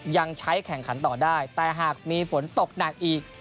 ยังใช้แข่งขันต่อได้แต่หากมีฝนตกหนักอีก